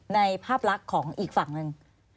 ในภาพลักษณ์ของอีกฝั่งหนึ่ง